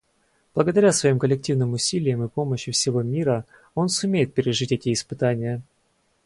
Благодаря своим коллективным усилиям и помощи всего мира он сумеет пережить эти испытания.